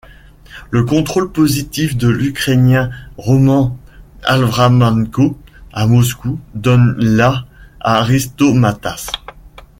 Le contrôle positif de l'Ukrainien Roman Avramenko, à Moscou, donne la à Risto Mätas.